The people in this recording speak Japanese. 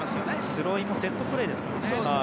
スローインもセットプレーですからね。